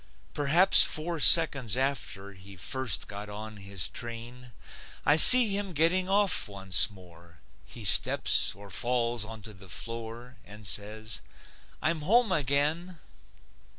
Perhaps four seconds after He first got on his train, I see him getting off once more. He steps or falls onto the floor And says, "I'm home again."